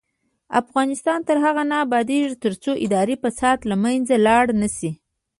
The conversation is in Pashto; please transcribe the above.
افغانستان تر هغو نه ابادیږي، ترڅو اداري فساد له منځه لاړ نشي.